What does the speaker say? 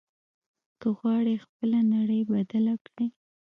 که غواړې خپله نړۍ بدله کړې.